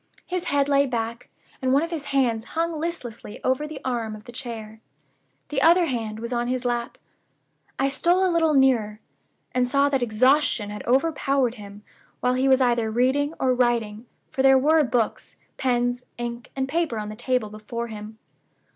His head lay back, and one of his hands hung listlessly over the arm of the chair. The other hand was on his lap. I stole a little nearer, and saw that exhaustion had overpowered him while he was either reading or writing, for there were books, pens, ink, and paper on the table before him.